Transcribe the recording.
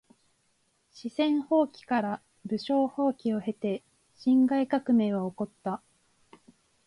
四川蜂起から武昌蜂起を経て辛亥革命は起こった。